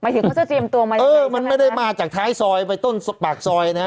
หมายถึงเขาจะเตรียมตัวมาเออมันไม่ได้มาจากท้ายซอยไปต้นปากซอยเนี้ย